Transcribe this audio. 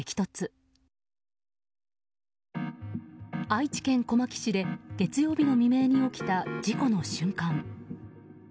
愛知県小牧市で月曜日の未明に起きた事故の瞬間。